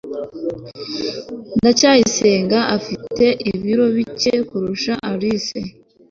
ndacyayisenga afite ibiro bike kurusha alice